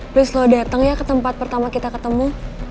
please lo dateng ya ke tempat pertama kita ketemu